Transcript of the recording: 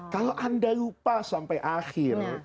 kalau anda lupa sampai akhir